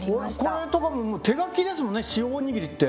これとかももう手書きですもんね「塩おにぎり」って。